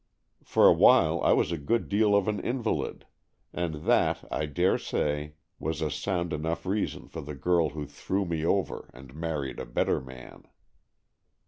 For a while I was a good deal of an invalid, and that, I dare say, was a sound enough reason for the girl who threw me over and married a better man.